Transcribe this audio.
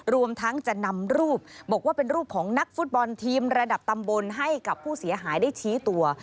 รวมทั้งจะนำรูปบอกว่าเป็นรูปของนักฟุตบอลทีมระดับตำบลให้กับผู้เสียหายได้ชี้ตัว